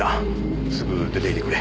すぐ出てきてくれ。